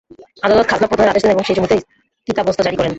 আদালত খাজনা প্রদানের আদেশ দেন এবং সেই জমিতে স্থিতাবস্থা জারি করেন।